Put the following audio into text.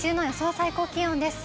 最高気温です。